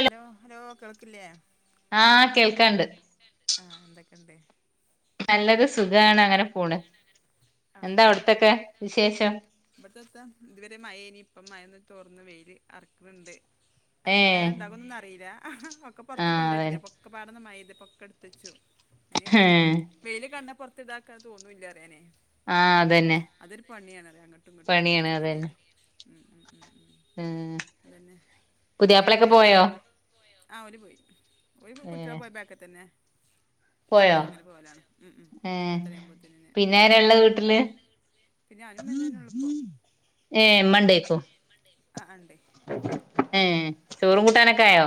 Hello hello കേൾക്കില്ലേ ആ കേൾക്കാണ്ട് ആ എന്തൊക്കെ ഇണ്ട് നല്ലത് സുഖാണ് അങ്ങനെ പോണ് ആഹ് എന്താ ആഹ് അവിടത്തൊക്കെ വിശേഷം ഇവിടത്തെത്താ ഇതുവരെ മഴേനി ഇപ്പം മഴന്ന് തോർന്ന് വെയില് അറക്ക് ണ് ണ്ട് എത്ര ഏഹ് നേരം ഉണ്ടാകുമൊന്നും അറിയില്ല ഹഹ ഒക്കെ പൊറത്ത് ആഹ് കൊണ്ടോട്ടിനും അതന്നെ അപ്പൊ ഒക്കെ പാടന്ന്മഴയ്ത് പൊക്ക എടുത്തച്ചു എ ഏഹ് വെയിൽ കണ്ടപ്പൊറത്ത് ഇതാക്കാ തോന്നൂല്ല അതനെ ആ അതന്നെ പണിയാണറിയാ അങ്ങോട്ടും ഇങ്ങിട്ടും പണിയാണ് വലിച്ചിടൽ അതന്നെ ഉം അതന്നെ പുതിയയാപ്പളൊക്കെ പോയോ ആ ഒരു പോയി ഒരു കുട്ടിയുടെ ഏഹ് പോയി ബാക്കിൽ തന്നെ പോയോ സദ്യികോ അങ്ങനെ പോലാണ് ഉ ഉം പത്തയാുമ്പോത്ത നിന്ന് പോയി പിന്നെ ഞാനും മെനഞ്ഞാന്നുള്ളിപ്പോ ഏ മണ്ടേക്ക ആ ഉണ്ട് ഉം ചോറും കൂട്ടാനൊക്കെ ആയോ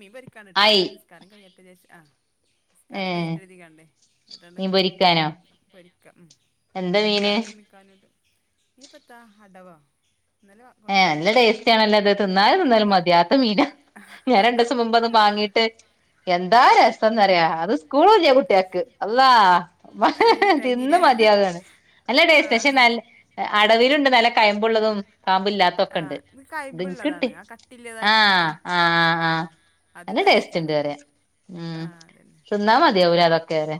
നിീവരിക്കാണിട്ട് ആയി നിസ്കാരം കഴിഞ്ഞ ഏദേശം ആ സംസ്കാരം ഏഹ് കയ്യേറ്റ രീതിക്കണ്ടേ കേട്ടാണ്ട് മീൻ പൊരിക്കാനോ പരിക്കാം എന്താ ഉ ഇ കത്തോ മീന് മിക്കഞ്ഞട്ട ഇത് പത്താ അടവാ ഏ നല്ല ടേസ്റ്റ ആണല്ലോ അത് തിന്നാൽ തിന്നാലും മതിയാത്ത മീന ഞാൻ രണ്ട ദിവസം മുമ്പ് അന്ന് വാങ്ങീട്ട് എന്താ രസന്നറിയ അത് സ്കൂള ഇല്ല കുട്ടികക്ക് രസം അല്ലാ തിന്ന തേഞ്ഞില്ലേ മതിയാാണ് അല്ല ആ ഡേ്പെെ ന അടവിലുണ്ട് നല്ല കയമ്പുള്ളതും ആ കാമ്പല്ലാത്തൊക്കെ ഉണ്ട് ഇത് ഇത് കിട്ടി കയ്മ്പുള്ളതാണ് ആ കട്ടിയില്ലതായിക്കൊണ്ട് ആഹ ആ് ആ അ ബസ്റ്റാണ് ഉം ന്നാ മതി അവര് അതൊക്കെ വരെ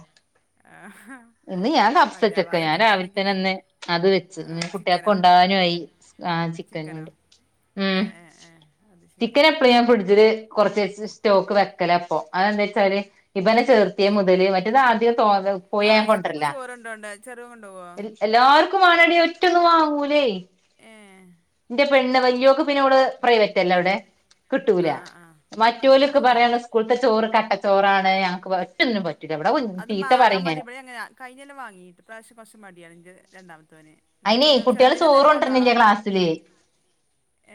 ആ ഇന്ന് ഞാൻ തപ്സച്ചൊക്കെ മതിയാവാതെ ഞാൻ രാവിലെ തിന്നണെങ്കില് തന്നെന്നെ അത് വെച്ച്ു ആ കുട്ടികക്കെ ചിക്കനോ ഉണ്ടാവാനയി ആ ചിക്കന ചിക്കനോ ഉണ്ട് ഉ ഏ ഏ ഏ അത് ശരി ചിക്കൻ എപ്പഴ ഞാൻ ഇതില് കൊറച്ച സ്റ്റോക്ക് വെക്കല അപ്പൊ അതന്താ വെച്ചാല് ഇപ്പന്നെ ചെർത്തിയ മുതല് മറ്റേത് ആദ്യം തോ പോയ സ്കൂളിക്ക് ചോറുണ്ടോണ്ട ചെറ കൊണ്ടു പോ അവർക്കും വണടി ഒറ്റക്ക് വാങ്ങൂലേ ഏ എന്റെ പെണ്ണ് വയ്യോക്കെ പിന്നെോ അവിടെ പ്രൈവറ്റ് അല്ല അവിടെ കിട്ടൂല ആ ആ ആ കിട്ടൂല മറ്റലൊക്കെ ആ പറയാണ് സ്കൂളത്തെ ചോറ് കട്ട ചോറാണ് ഞങ്ങക്ക് പറ്റൊന്നും പ ഇതെവിടെ ചീത്ത പറയും ഞാന് കൈഞ്ഞൽ കൊല്ലം വാങ്ങിട്ട് പ്രാവശ്യം കുച്ച് മടിയണെങ്കിൽ രണ്ടാമ അയിന കുട്ടിയികള ചോറ്കൊണ്ട് വരുന്നില്ല ക്ലാസ്സിൽ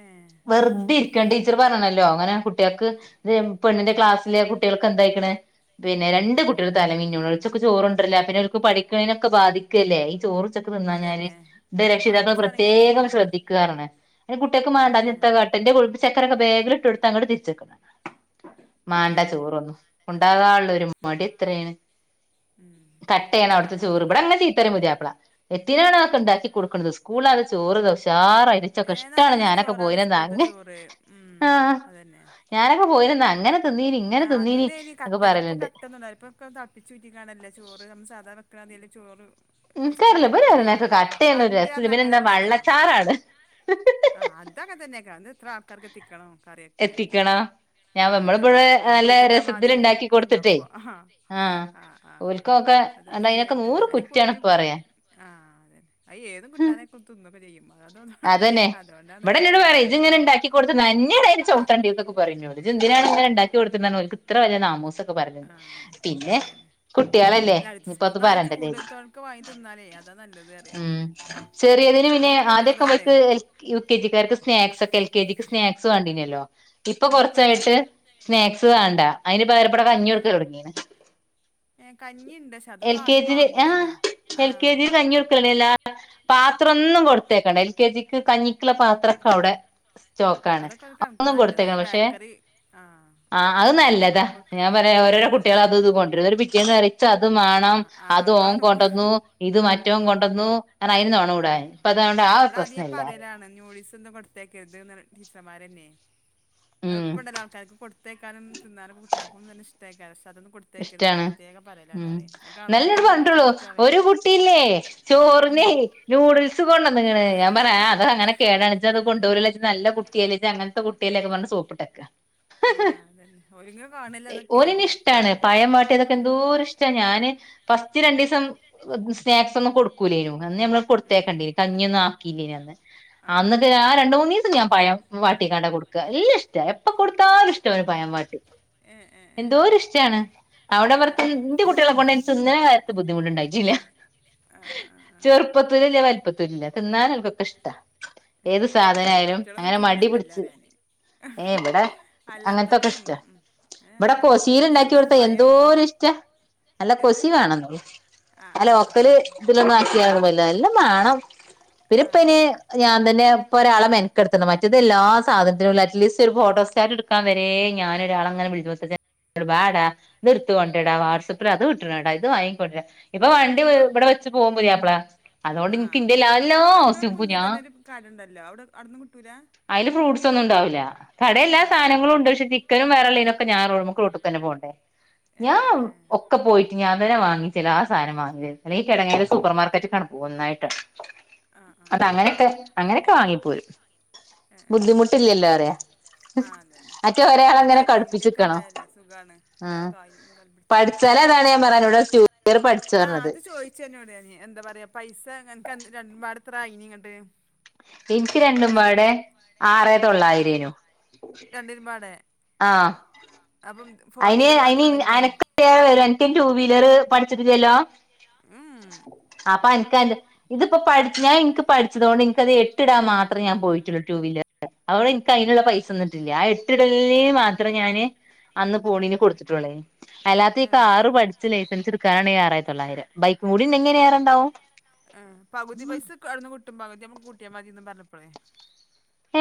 ഏ വെറുതെ ഇരിക്കാൻ ടീച്ചർ പറഞ്ഞാ ഓ അങ്ങനെ കുട്ടികൾക്ക് വേണു പെണ്ണിന്റെ ക്ലാസ്സില് കുട്ടികൾക്ക് എന്തായിക്ക്ണ് പിന്നെ രണ്ട് കുട്ടികൾ തലമന്ന ഒച്ചൊക്കെ ചോറുണ്ടല്ല പിന്നെ അവർക്ക് പഠിക്കുന്നേനൊക്കെ ബാധിക്കുവല്ലേ ഈ ചോറ് പിന്ന ഞാൻ അതന്നെ ആ രക്ഷിതാക്കൾ കുറച്ചാണെങ്കിലും പ്രത്യേകം തിന്നണം എന്ന് പറയും. ശ്രദ്ധിക്കാറാണ് കുട്ടിയൊക്കെ മേണ്ടാ ഏ നിത്ത കാട്ടന്റെ കൊഴുപ്പ് ചക്കരൊക്കെ വേ ടു അങ്ങോട്ട് തിരി [unintelligible] ച്ച ഏ മണ്ട ചോറൊന്നും ഉണ്ടാ മടി ഇത്രാണ് ഉം. കട്ടയണ അല്ല അവിടുത്തെ അങ്ങനത്തെയൊക്കെ ചോറ്ഇവിടെ അങ്ങനെ ചീത്ത പറയും പുതിയാപ്പള എത്തിനാണ് ആക്കി ഉണ്ടാക്കി കൊടുക്കണത് സ്കൂളില് നല്ല ചോറ് ഉഷാറ് - ക്കെ ഏ ഇഷ്ടമാണ് നല്ല ഞാനൊക്കെ പോ ചോറാണ് സ്കൂളത്തെ ചോറ് ഉം അതന്നെ ഞൊക്കെ പോ [unintelligible] ആഹ് അന്നേ ഇനി കട്ടയൊക്കെ ഇപ്പൊ പറയലുണ്ട് കട്ടയൊന്നുംയില്ല തെളപ്പിച്ച് ഉറ്റിയേക്കുവാണല്ലോ ചോറ് നമ്മള് സാധാരണ- ഇക്ക [unintelligible] അതിൽ ചോറ് സ്കൂളിന്നൊക്കെ ഏക്കറിയില്ല കിട്ടല് [unintelligible] കട്ടയണ ഒരു പണ്ട് രസ പറഞ്ഞ പിന്നെ എന്താ അങ്ങനല്ലല്ലോ വെള്ളച്ചാറാണ് ആഹ് അതാ അങ്ങനെ തന്നെ അത് എത്രക്കാർക്കെ എത്തിക്കണം കറിയൊക്കെ എത്തിക്കണ ഞാൻ ആഹ് നമ്മളിവിടെ അതന്നെ- നമ്മ നല്ല വീട്ടിലത്തെ രസത്തില് മാതിരി ഇണ്ടാക്കി കുറക്കി കൊടുത്തിട്ടേ ഉണ്ടാക്കുവ ആ ഹ് ആഹ് ആഹ് ആഹ് ഓൽക്കൊക്കെ അത എന്താ അയിനൊക്കെ ശീരിയിട്ടാണ് നൂറ് അതി കൊ കുറ്റാണ് ഇപ്പ പറയാ ആ അതെ അ ഏതും കിട്ടാനെ കൊത്ത [unintelligible] അതന്നെ അത് കൊണ്ട്- ഇവിടെ എന്നോട് പറയും ഇത് ഇങ്ങനെ ഇണ്ടാക്കി കൊടുത്താൽ [unintelligible] കൊടുത്ത്ന്നെട ചോട്ടണ്ടി [unintelligible] തൊക്കെ പറയും ഇത്‌ എന്തിനാണ് ഉണ്ടാക്കി കൊടുത്തിണ്ടക്ക് ഇത്ര വലിയ നാമൂസൊക്കെ പറഞ്ഞത് ആഹ് പിന്നെ- അതന്നെ കുട്ടികളല്ലേ അല്ല അടുത്ത ഇനിപ്പോ അത് സ്കൂൾന്ന് ആ ചൂട് പറണ്ടല്ലേന്ന് തൊണക്ക് വാങ്ങി തിന്നാലേ അതാ നല്ലത് അറിയ വിചാരിച് ചെറിയ- ഇവിടെപ്പ അതിന് പിന്നെ ചെറുതിനെ കൊണ്ടോണത് ആദ്യൊക്കെ കൊണ്ടേ ഇവൾക്ക് എൽ യു കെ ജിക്കാർക്ക് സ്നാക്സ് ഒക്കെ എൽ കെ ജിക്ക് സ്നാക്സ് വേണ്ടീനല്ലോ- ഇപ്പൊ ആ ഇപ്പല്ല കൊറച്ചായിട്ട് സ്നാക്സ് വേണ്ടാ അതിന്റെ പകരയിപ്പോ ഇവിടെ കഞ്ഞി അത് കൊടുക്ക തുടങ്ങീയാണ് ഏ കഞ്ഞിണ്ട് പക്ഷെ എൽ അതൊന്നും കെ ആരും ജി ആഹ് വാങ്ങൂലല്ലോ ആ എൽ കെ ജി കഞ്ഞി കൊടുക്കലാണല്ലോ പാത്രം ഒന്നും കൊടുത്തേക്കണ്ട എൽ കെ ജിക്ക് കഞ്ഞി- [unintelligible] പത്രം ഒക്കെ അവിടെ സ്റ്റോക്ക് ആണ് അതൊക്കെ ഒരു കണക്ക് ഒന്നും നല്ലതാ ഈ കൊടുത്തേക്കണ്ടാ പക്ഷെ- ബേക്കറി ആ അത് നല്ലതാ കൊടുക്കണ ഞാൻ പറയാ ഓരോരോ ഉം കുട്ടികള അതന്നെ അത് ഇത് കൊണ്ടുവരും ഒരു പിറ്റേന്ന് പറയും ഏച്ച് അത് ആ വെണം ആ അത് ഓ - കാണുമ്പോ കൊണ്ടന്നു ഇത് മറ്റേവൻ കൊണ്ടുവന്നു അ അതിന് [unintelligible] കൂടാ ഉം ഇപ്പ അതണ്ട് ആ ഇവിടെ പ്രശ്നം അധിക പറയലാണ് ന്യൂഡീസ് ഒന്നും കൊടുത്തേക്കരുത് ടീച്ചറുംമ്മാര് തന്നെ ഉം എളപ്പം ഉണ്ടല്ലോ ആൾക്കാർക്ക് കൊടുതായിക്കാനും തിന്നാനും കുട്ടൾക്കും തന്നെ ഇഷ്ടേക്കും- ഇഷ്ടാണ് ഉം അത് കാണുമ്പോ നല്ലണം തന്നെ മറ്റേ പറഞ്ഞിട്ടുള്ളൂ കുട്ടികളെ ഒരു കുട്ടില്ലേ- കൊർനേ നൂഡിൽസ് കൊണ്ടന്നേണ് ഞാൻ പറയാ ആഹ് അങ്ങനെ കേടാണ് ഇജ്ജ് അത് കൊണ്ടോരൂല ഇജ് നല്ല കു റ്റേളിന്റെ അങ്ങൻത്തെ കുട്ടില്ലേക്കെ പർഞ് സോപ്പിട്ടേക്ക. ആഹ് അതന്നെ ഓല്ങ്ങെ കാണ്ല്ലെ അതൊക്കെ ടാണ് പഴം വാട്ടിയതൊക്കെ എന്തോര് ഇഷ്ട. ഞാന് ഫസ്റ്റ് രണ്ടീസം സ്നാക്സ് ഒന്നും കൊടു അന്ന് അമ്മള് കൊടുത്തേക്കണ്ടിനി. കഞ്ഞിന്നും ആക്കില്ലേന്ന് അന്ന്. അന്നക്കെ ആ രണ്ട് മൂന്നീസം ഞാൻ പയം വാ ട്ടികാണ്ട കൊടുക്ക. എല്ലാം ഇഷ്ട എപ്പൊ കൊടുത്താലും ഇഷ്ടം ഒരു പയം വാട്ടി. ഏ ഏ ഏ ഏ എന്തോര്ഷ് ട്ടണ്. അവിടെ [unintelligible] ന്റെ കുട്ടിളെ കൊണ്ട് എൻ ചിന്ന്ണകാര്യത് ബുദ്ധിമുട്ടുണ്ടായിട്ടില്ല ആ ആ ആ ആ ചെറുപ്പത്തൂല്ല്ല വലിപ്പത്തൂല് ല്ല തിന്നാനോൽക്കൊക്കെ ഇഷ്ടാ. ഏത് ഇറ്റ സാധന ആയാലും ഇറ്റളൊന്നും അങ്ങനെ മടി തിന്നന്നെ പിടിച് എല്ലാരാന് ഏഹ് ഇവിടെ അല്ലാത്തൊക്കെ അങ്ങൻത്തെക്കെ ഇഷ്ട. തിന്നും ഉം. ഏ ഇവിടെ എൻ്റെ കൊശീൽ ഇണ്ടാ ചെറുതൊന്നും ക്യോടുത്ത എന്തോ പയം ഒരു ഇഷ്ട നല്ല എന്ത് കൊശി വേണെന്നുള്ളൂ. ആ അല്ല ആ ഒക്കല് ആ ഇതിലൊന്നും ആക്കിയന്നല്ല എല്ലാം വേണം ആ. പിരിപ്പന ഞാൻ തന്നെ ഇപ്പോ ഒരാളെ മെനക്കെടുത്തു മറ്റത് എല്ലാ സാധന അറ്റ്ലീസ്റ്റ് ഒരു ഫോട്ടോസ്കാർ എടുക്കാൻ വരെ ഞാനൊരാള അങ്ങനെ വിളിവസ ാടാ നിർത്തുകണ്ടടാ വാട്സആപ്പ് അത് വിട്ടനാടാ ഇത് വാിക്ക കൊടാ ഇപ്പൊ ഏ വണ്ടി ഇപ്പം ഇവിടെ വെച്ച് പോകൻ്പതിയാപ്പളാ അതുകൊണ്ട് ഇനക്ക് ആഹ് ഇന്റെല്ലാ എല്ലോ ശ്യംപ ഞാ കാര്ംണ്ടല്ലോ അവിടെ അടുന്നന്ന് കിട്ടൂല അതില് ഫ്രൂട്ട് ഒന്നും ഉണ്ടാവില്ല കട എല്ലാ ആഹ് സാധനങ്ങളും ഉണ്ട് പക്ഷ ചിക്കന ആഹ് ആഹ് വേള്ളനുംൊെ ാൻുക്ക്ട്ട് തന്നെും ഞ ഏഹ് ഏഹ് ഏഹ് ഒക്കെ പോയി് അന വാങ്ങിച്ചില്ല ആ സാധം വാങ്ങല്ല ഈിടങ്ങേന്റെ സൂപ്പർ മാർക്കറ്റ് കണ പോകുന്നന്നായിട്ട് ആഹ് ആഹ് അത ആഹ് ആഹ് അങ്ങനെയൊക്കെ അങ്ങനെയൊക്കെ വാങ്ങിപ്പോരും ഏഹ് ഏഹ് ഏഹ് ബുദ്ധിമുട്ടില്ലല്ലോ അറിയ ആഹ് അതന്നെ മറ്റേ ഒരായാള അല്ല പ എങ്ങനെ വണ്ടിയൊക്കെ കടുപ്പിച്ചുക്കണോ ഉണ്ടായാലേ സുഖാണ് ആ ഒരാളെ കാലും കാലും പിടിച്ചണ്ട പഠിച്ചാല അതാണ് ഞാൻ പറാന ഇടൂർഠ ആഹ് അത് ചോയിിച്ചെന്നോടീ എന്താ പറയാ പൈസ എനക്ക് രണ്ടപാട്ത്ര ആയിനി ഇങ്ങട്ട് എനിക്ക് രണ്ടും രണ്ടുമ്പാടെ ആറേ തൊള്ളായിരേനു രണ്ടരുപാട ആഹ അയിന് വീലർ അന് മാത്രാണെങ്കിലോ അനക്ക്റെ വരും എനിക്ക ടു വീലർ പഠിച്ചിട്ട ചല്ലോ ഉം അപ്പ എ ഇതിപ്പോ പഠി ഞാൻനിക്ക് പഠിച്ചതുക കൊണ്ട് നിനിക്കത് എട്ടിടാൻ മാത്രേ ഞാൻ പോയിട്ടുള്ളു ടു വീലർ അവിടെ എനിക്ക് അതിനുള്ള പൈസ തന്നിട്ടില്ല ആ എട്ടുകള മാത്രം ഞാന് അന്ന് പോണീന് ആഹ് കൊടുത്തിട്ടളേ അല്ലാത്ത ഈ കാറ് പഠിച്ച് ലൈസൻസ് എടുക്കാനാണ് ആറായി ത്തള്ളായിരം ബൈക്ക് മൂടിന്ന എങ്ങനെയറണ്ടാവും ആ പകുതി പൈസ അടുന്ന് കിട്ടും പകുതി നമ്മക്ക് കൂട്ടിയ മതിന്ന് പറഞ്ഞപ്പോളേ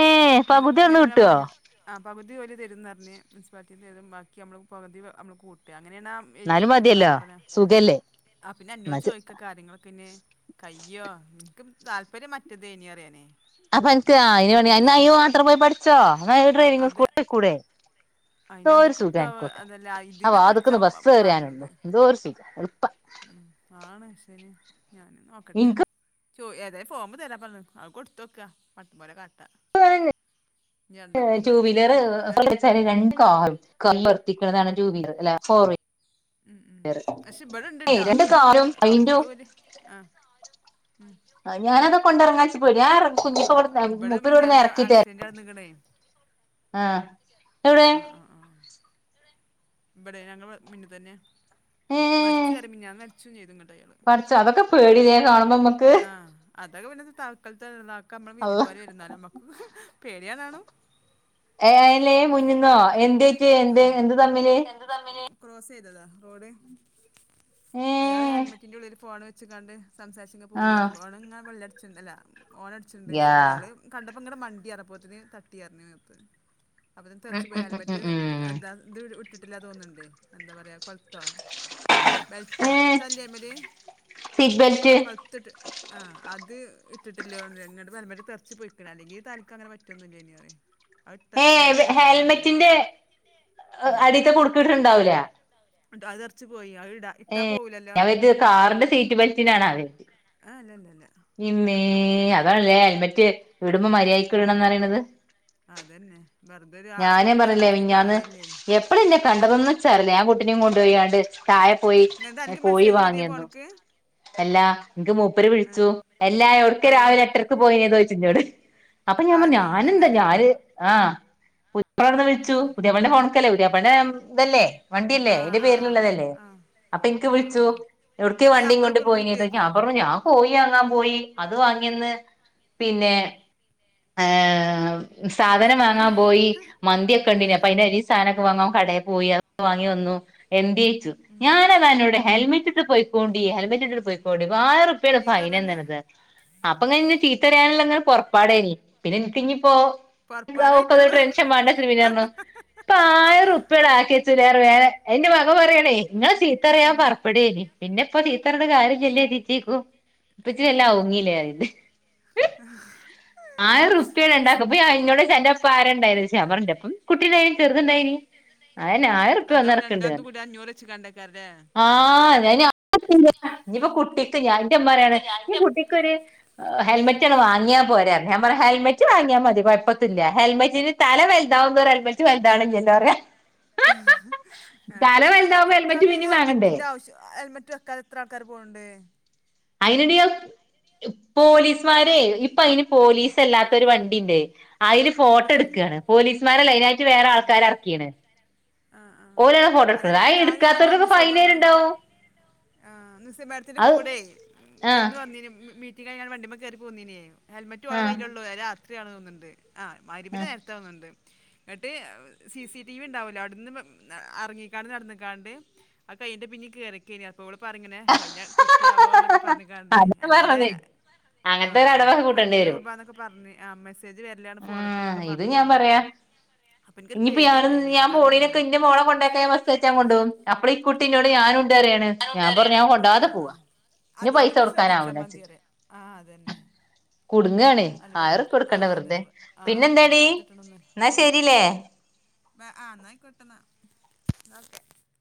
ഏ ഇങ്ങനെ പകുതി അവിടുന്ന് ഇങ്ങനെ ഞാൻ കിട്ടുവോ പറഞ്ഞില്ല ആ പകുതി വലി തരുത എന്ന്ഞ്ഞ്ഞഞ് മുസിപ്പാലിറ്റീന്ന് തരതും ബാക്കി നമ്മള് പകുതി നമ്മള് കൂട്ടുക അങ്ങനെയണ എഴുതി എന്നാലും കൊടുക്കല് മതിയല്ലോ പറഞ്ഞപ്പോലെ സുഖല്ലേ ആ പിന്നെ എന്നാ എന്നോട് ചെ ചോദിക്ക കാര്യങ്ങളൊക്കെ ഇെ കൈ അയ്യോ നിനക്ക് താല്പര്യം മറ്റത്േ ഇനി അറിയാനേ അപ്പൊ എനിക്ക് വേണ എന്നാ സ്കൂട്ടിക്കേനി അയ്യോ ആട്ടർ പോയി പഠിച്ചോ ഡ്രൈവി അത് സ്കൂയിക്കൂടെ എന്തോ അയിനത് ഒരു സുഖം കിട്ടോ എനിക്കൊക്കെ അതല്ല അവ ഇതിനെ പഠിച്ചാ വാതുക്കന്ന് ബസ്റിയാനുള്ളു പറഞ്ഞത് എന്തോ ഒരു സുഖം ഉം ആണ് ശന ഞാന നോക്കട്ടെ എനിക്ക് ചോ ഏതായ ഫോമ് തരാ പറഞ്ഞു അ കൊടുത്ത വെക്കാ മട്ട പോലെ കാട്ടാ ഞണ്ടപ്പം ൂവീലർ പറ്റുമെങ്കില് ഏ ര കാ വത്തിക്കതാണ്ൂവീലർ അല്ല ഫോർ ഉം ഉം പക്ഷെ ഇബടെ വീലർ രണ്ട് ഇണ്ട്ട്ടാത്ന്ന് കാറും അയിന്റു അമ്മള് പോര് ആ ആ ഞാനതത് കൊണ്ട ഇറങ്ങാച്ചച്ച് പോയിരാറങ്ങ ഒക്കെ വേണം ഇവിടെ മഞാന ആക്സിഡന്റ് ആ നിിക്കണേ ആഹ എവിടെ ആ ഇവിടെ ഞങ്ങള് മുന്നു തന്നെ ഏ മരിച്ചു വരെ മിഞ്ഞാന്ന് മരിച്ചും ചെയ്തു ഇങ്ങട്ട് അയാള് പഠച്ച അതൊക്കെ പേട കാണുമ്പോ നമ്മക്ക് ആ അതൊക്കെ പിന്നത്തെ താക്കാലാക്ക നമ്മള് വിധി അള്ള പോലെ വരുന്നാല നമ്മക്ക് പേടിയാനാണ് അയിലെ മുന്നിന്നോ എന്ത്േച്ച ആ എന്ത് എന്ത് തമ്മില് ക്രോസ് ചെയ്തതാ റോഡ് ഏ അയാള് ഹെൽമറ്റിന്റെ ഉള്ള ഒരു ഫോൺ വ അ കണ്ട് സംസാരിച്ച പോവുക ആഹ് ഓണം ഇങ്ങെ വെള്ളടിച്ച അല്ല ഓണടിച്ചുണ്ട്ക്ഷെ യാ അയാള് കണ്ട അപ്പ ഇങ്ങടെ മണ്ടി അറപ്പോത്തിന് തട്ടിറിഞ്ഞപ്പ അപ്പൊ ഉം തെറച്ച ഉം പോയാലും പറ്റി ഉം ഉം ഉം എന്താ ഇത് ഇട്ടിട്ടില്ല തോന്നുന്നുണ്ട് എന്താ പറയാ കൊഴത്തോ വസ്റ്റ ഏ തല്ലല്ലായ മര സീറ്റ് ബെൽറ്റ് കൊലത്തിട്ട് ആ അത് ഇട്ടിട്ടില്ലോ എന്നോട് പരമ്പര തെറച്ചു പോൊയിക്കണം അല്ലെങ്കിൽ തനക്ക് അങ്ങനെ പറ്റൊന്നുമല്ല ഇനി ഏ ഹെൽമെറ്റിന്റെ അടിത്തെ കൊടുക്കട്ടുണ്ടാവല ഉ അത അറച്ചു പോയി അത് ഇടാ ഏ ഇട്ടാ പോവൂലല്ലോ അവത് കാറിന്റെ സീറ്റ് ബെൽറ്റിനാണ് അവത് ഏഹ് ഇല്ലല്ലല്ല [inaudible] അതാണല്ലേ ഹെൽമെറ്റ് ഉം ഇവിടുമ്പോ മര്യായിക്ക ഉം ഇടണന്ന്റയണത് അതന്നെ വെറുതെ ഒരാളെ ഞാനേ പൊപ്പിച്ചാൻ പറില്ലേ വെച്ചിട്ട് മിഞ്ഞന്ന് കാര്യല്ലേ എപ്പളന്നെ കണ്ടതന്ന് ച്ചറില്ലേ ഞൻ കുട്ടിനെയും കൊണ്ടുപോയാണ്ട് ചായെ പോയി ഇങ്ങട്ട് അനക്ക് കോഴി മെസ്സേജ് വരേ വാങ്ങിന്നു ഫോണ്ക്ക് അല്ലാ നിനിക്ക് മൂപ്പര് ആ വിളിച്ചു എല്ലാ എവിടക്ക ആര് രാവിലെ എട്ടരക്ക് പോയിനേ ചോച്ചിഞ്ഞോട് അപ്പൊ ഞാൻ പറ ആര് ഞാന എന്താ അന്റോനോ ഞാന് ആഹ് പുതിയപ്പന്ന് വിളിച്ചു പുതിയപ്പന്റെ ഫോണ്ക്കല്ലേ പുതിയപ്പള്ളന്റെ ഇതല്ലേ വണ്ടില്ലേ ആ എന്റെ ആ പേരിലുള്ളതല്ലേ ആ അപ്പൊ എനിക്ക് ആ ആ വിളിച്ചു ഇവിടുത്തി അയിന് വണ്ടീ കൊണ്ട് നമ്പറൊക്കെ ഓൽക്ക് പോയി ഞാ കിട്ടിയേക്കോ പറഞ്ഞു ഞാ കോഴി വാങ്ങാൻ പോയി അത് വാങ്ങിയന്ന് പിന്നെ സാധനം ചീത്തറഞ്ഞെ വാങ്ങാൻ പോയി എന്യൊക്കെണ്ട അപ്പ അ ഇ സാധനൊക്കെ വങ്ങൻ കടയിൽ പോയി വാങ്ങി വന്നു എന്തെ ചോ ച്ചു ഞാനത് എന്നോട് ഹെൽമെറ്റ് ഇട്ട് പോക്കോണ്ടി ഹെൽമെറ്റ് ഇട്ട് പോയിക്കോണ്ടി മുവായിറ്പ്പിയാ ഫൈന ചീത്തറഞ്ഞെ വന്നത് അപ്പൊ ഇന്നങ്ങനെ പറയാനങ്ങനെ പുറപ്പാട പിന്നെ എനിക്ക ഇയിപ്പോക്ക പൊറപ്പാടായിട്ടുള്ളു മണ്ടന് പിന്നപ്പ ആയിരം റുപ്പികള ആക്കിച്ചുലറ് വേറെ എന്റെ മകൻ പറയണേ നിങ്ങളെ സീത്തറയാൻ പററപ്പെടേന് പിന്നെ ഇപ്പ ചീത്തപറഞ്ഞിട്ട് കാര്യം ചെല്ലതിച്ചേക്കോ ഇപ്പച്ചി വെല്ല ഔങ്ങില്ലെ റിണ്ട് ആയിരുപ്പി ഉണ്ടാക്കും [inaudible] എന്റെ അപ്പ ആരുണ്ടായിരുന്നച്ചു ഞാൻ പറഞ് ഇന്റൊപ്പം കുട്ടിണ്ടായന് ചെറുതണ്ടായന് അന്നെ ആയിറുപ്യ അതാവും വന്നടക്കണ്ട് രണ്ടാമതും കൂടി അഞ്ഞൂറ് വെച്ച് കണ്ടേക്കാരല്ലേ ആ [inaudible] ഇനിയിപ്പൊ കുട്ടിക്ക് ഞാൻ എന്റെ മ്മ രാണ് കുട്ടിക്കൊരു ഹെൽെറ്റ ആണ് വാങ്ങിയാ പോരാ ഞാ പറഞ്ഞ ഹെൽമെറ്റ് വാങ്ങിയാ മതി കുഴപ്പത്തില്ല ഹെൽമെറ്റിന് തല വലുതാവുതോറും ഹെൽമെറ്റ് വലുതണങ്കല്ലോറിയ എന്തല്ല വലുതാവുമ്പോ ഹെൽമെറ്റ് കുട്ടൾക്കെന്നെ പിന്നിം വാങ്ങണ്ടേ ഹെൽമെറ്റിന്റെ ആവശ്യം ഹെൽമെറ്റ് വെക്കാെ എത്ര ആൾക്കാർ പോവണ്ട് അയിനഡി പോലീസ്മാരെ ഇപ്പ അയിന് പോലീസ് അല്ലാത്തൊരു വണ്ടിണ്ട് അതില് ഫോട്ടോ ഏഹ് എടുക്കാണ് പോലീസ്മാരല്ല അതിനായിട്ട് വേറെ ആൾക്കാരക്കിണ് ആഹ് ആഹ് ഓലണ് ഫോട്ടോ എടുക്കുന്നത് അതന്നെപ്പ ആ എടുക്കാത്തവർക്കെ ഫൈന വെര്ണ്ടാവും ആ നിസമാഡത്തിന്റെ കൂടെ ആഹ് ഇവിടുന്ന് വന്നിനി ഞാൻ വണ്ടിമ കയറി പോന്നീ ഹെൽമറ്റുംഓള ആഹ് കയ്യിലുള്ളൂ രാത്രിയാണ് തോന്നുണ്ട് ആ മഹ്റിബിന്റെ ആഹ് നേരത്തെ തോന്നുണ്ട് എന്നിട്ട് സി സി ടി വി ഉണ്ടാവല്ലോ അവിടെന്ന് എറങ്ങിക്കാണ്ട് നടന്ന് ക്കാണ്ട് അ കയ്യിന്റെ പിന്നിൽ കേറിക്കെനി അ ഇവള് പറങ്ങനെ ഫൈന് കിട്ടിയാവോന്നെക്കെ പറഞ്ഞക്കണ്ടേ അതാ അല്ലാതെ പറഞ്ഞത് ആ അങ്ങനത്തെ ഒരു അടവൊക്കെ കൂട്ടേണ്ടി അഞ്ഞൂറ് വരും രൂപാന്നൊക്കെ പറഞ്ഞ് ആ മെസ്സേജ് വരലാണ് ന്നൊക്കെ ഉം ഇത് പറഞ്ഞ് ഞാൻ ചെയ്തിന്നോണ്ട് പറയാ ഇനിയിപ്പോ ഞാനൊ ഞാൻ പോണേനൊക്കെന്റെ മോളെ കൊണ്ടാക്കാൻ ബസ്സ് കേറ്റാൻ കൊണ്ട് പോകും അപ്പള് ഈ കുട്ടിനോട് ഞാനും ഉ ണ്ട് പറയാണ് ഞാൻ പറഞ്ഞ് ഞാൻ ആ കൊണ്ടാതെ ആ ആ പോവാ അതുകൊണ്ട് പൈസ ഇനി ശ്രദ്ധിച്ചാ കൊടുക്കാനാവൂലാച്ചിട്ട് മതിയറ ആ അതന്നെ യാണേ അല്ല ആയിരം റുപ്പിയ വെറുതെ ആ കൊടുക്കണ്ട വെറുതെ അതന്നെ ആ അതന്നെ പിന്നെന്താടി വെറുതെ ഇട്ടണന്ന് എന്നാ ഉം ശരില്ലേ ആ ആ എന്നായിക്കൊട്ടന്നാ ഒക്കെ